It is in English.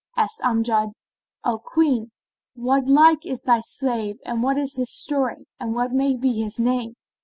Asked Amjad, "O Queen, what like is thy slave and what is his story and what may be his name?"